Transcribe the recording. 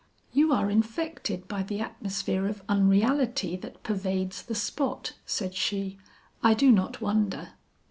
"You are infected by the atmosphere of unreality that pervades the spot," said she, "I do not wonder."